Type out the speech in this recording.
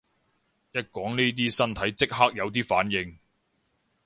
一講呢啲身體即刻有啲反應